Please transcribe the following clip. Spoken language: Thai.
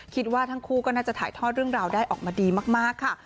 คิดว่าทั้งคู่ก็น่าจะถ่ายทอดเรื่องราวได้ออกมาดีมากค่ะ